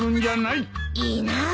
いいなぁ